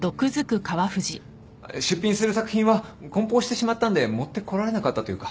出品する作品は梱包してしまったんで持ってこられなかったというか。